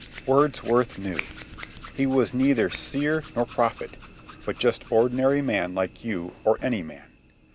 Wordsworth knew. He was neither seer nor prophet, but just ordinary man like you or any man.